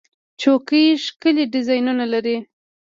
چوکۍ ښکلي ډیزاینونه لري.